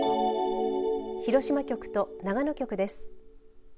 広島局と長野局です。